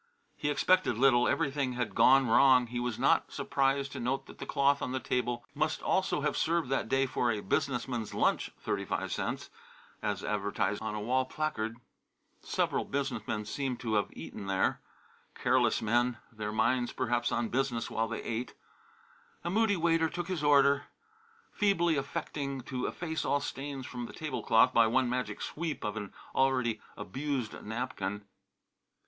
He expected little; everything had gone wrong; and he was not surprised to note that the cloth on the table must also have served that day for a "Business Men's Lunch, 35 cts.," as advertised on a wall placard. Several business men seemed to have eaten there careless men, their minds perhaps on business while they ate. A moody waiter took his order, feebly affecting to efface all stains from the tablecloth by one magic sweep of an already abused napkin.